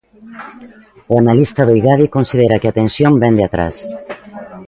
O analista do Igadi considera que a tensión vén de atrás.